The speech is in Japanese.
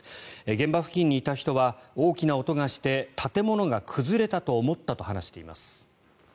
現場付近にいた人は大きな音がして建物が崩れたと思ったと話しています。